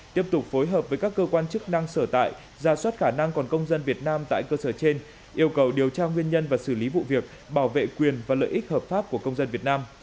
tiếp tục phối hợp với các cơ quan chức năng sở tại giả soát khả năng còn công dân việt nam tại cơ sở trên yêu cầu điều tra nguyên nhân và xử lý vụ việc bảo vệ quyền và lợi ích hợp pháp của công dân việt nam